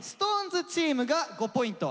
ＳｉｘＴＯＮＥＳチームが５ポイント。